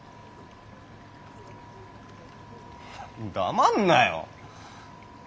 黙んなよ。